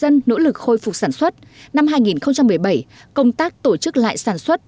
năm hai nghìn một mươi bảy công tác tổ chức lại sản xuất